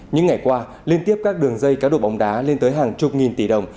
những ngày qua liên tiếp các đường dây cá độ bóng đá lên tới hàng chục nghìn tỷ đồng